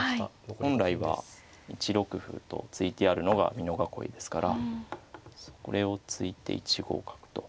本来は１六歩と突いてあるのが美濃囲いですからそれをついて１五角と。